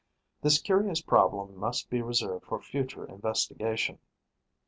This curious problem must be reserved for future investigation.